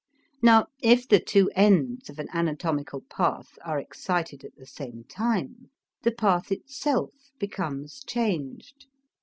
Now if the two ends of an anatomical path are excited at the same time, the path itself becomes changed.